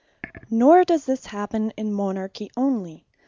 Nor does this happen in Monarchy onely.